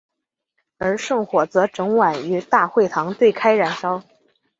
而圣火则整晚于大会堂对开燃烧。